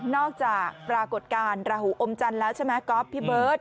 จากปรากฏการณ์ราหูอมจันทร์แล้วใช่ไหมก๊อฟพี่เบิร์ต